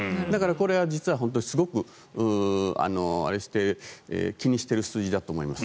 これは実は本当にすごく気にしてる数字だと思います。